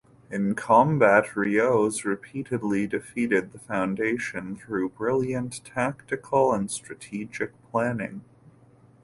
In combat, Riose repeatedly defeated the Foundation through brilliant tactical and strategic planning.